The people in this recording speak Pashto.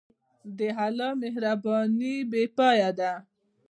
د الله مهرباني بېپایه ده.